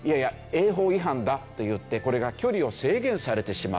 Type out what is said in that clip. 泳法違反だといってこれが距離を制限されてしまった。